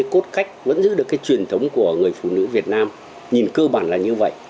vẫn giữ được cái cốt cách vẫn giữ được cái truyền thống của người phụ nữ việt nam nhìn cơ bản là như vậy